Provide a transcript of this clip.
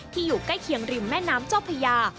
อยู่ใกล้เคียงริมแม่น้ำเจ้าพญา